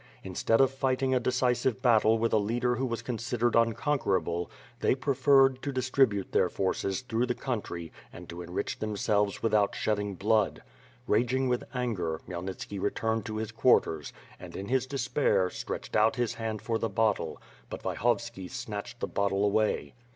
Instead of fighting a decisive battle with a leader who was considered unconquerable, they preferred to dis tribute their forces through the country and to enrich them selves without shedding blood. Raging with anger, Khmyel nitski returned to his quarters and, in his despair, stretched out his hand for the bottle; but Vyhovski snatched the bottle away.